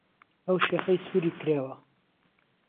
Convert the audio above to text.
ئەو شێخەی سووری کرێوە